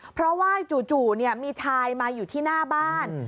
เพราะว่าจู่มีชายมาอยู่ที่หน้าบ้าน